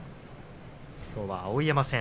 きょうは碧山戦。